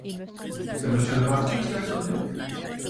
C’est monsieur le marquis qui a sonné ?